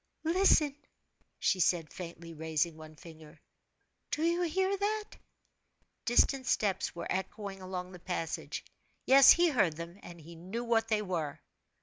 "Listen!" she said, faintly raising one finger. "Do you hear that?" Distant steps were echoing along the passage. Yes; he heard them, and knew what they were.